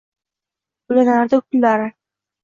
Ulanardi kunlari